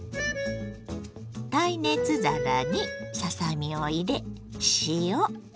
耐熱皿にささ身を入れ塩